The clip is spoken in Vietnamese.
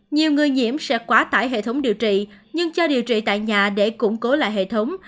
nhiều người nhiễm sẽ quá tải hệ thống điều trị nhưng cho điều trị tại nhà để củng cố lại hệ thống